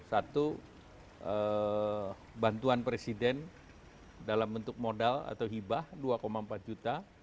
satu bantuan presiden dalam bentuk modal atau hibah dua empat juta